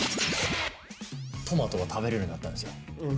トマトが食べれるようになったんですよ。